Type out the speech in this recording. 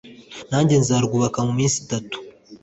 nanjye nzarwubaka mu minsi itatu